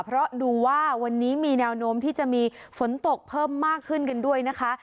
เพราะดูว่าวันนี้มีแนวโน้มที่จะมีฝนตกเพิ่มมากขึ้นกันด้วยนะคะ